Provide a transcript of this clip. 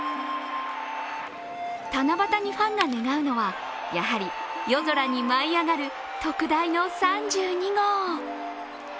七夕にファンが願うのはやはり夜空に舞い上がる特大の３２号。